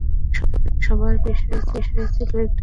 সভায় প্রধান বিষয় ছিল একটি নতুন উন্নয়ন ব্যাঙ্ক নির্মাণ।